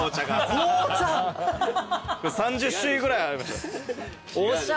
３０種類ぐらいありました。